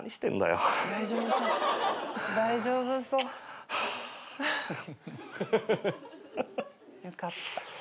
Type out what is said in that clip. よかった。